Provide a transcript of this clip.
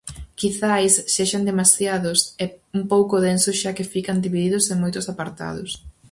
Quizais sexan demasiados e un pouco densos xa que fican divididos en moitos apartados.